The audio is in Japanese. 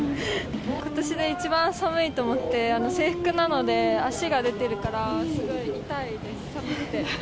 ことしで一番寒いと思って、制服なので、脚が出てるから、すごい痛いです、寒くて。